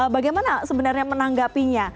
bagaimana sebenarnya menanggapinya